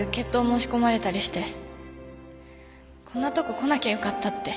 申し込まれたりしてこんなとこ来なきゃよかったって。